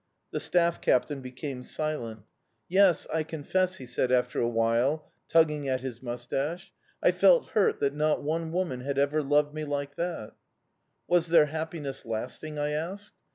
The staff captain became silent. "Yes, I confess," he said after a while, tugging at his moustache, "I felt hurt that not one woman had ever loved me like that." "Was their happiness lasting?" I asked.